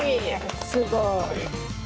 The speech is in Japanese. すごい。